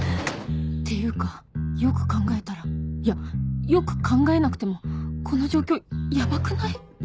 っていうかよく考えたらいやよく考えなくてもこの状況ヤバくない？